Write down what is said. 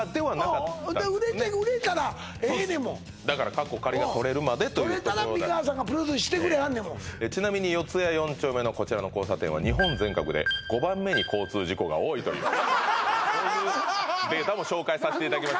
売れて売れたらええねんもんだからが取れるまでということ売れたら美川さんがプロデュースしてくれはんねんもんちなみに四谷四丁目のこちらの交差点は日本全国で５番目に交通事故が多いというこういうデータも紹介させていただきます